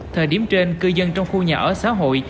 thời điểm trên cư dân trong khu nhà ở xã hội